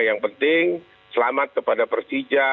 yang penting selamat kepada persija